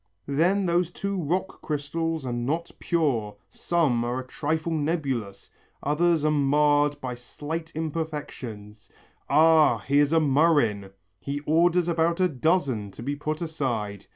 Then those two rock crystals are not pure, some are a trifle nebulous, others are marred by slight imperfections. Ah! here's a murrhine. He orders about a dozen to be put aside.